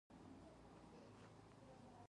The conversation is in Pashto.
د انتقام سلسله شروع کېږي.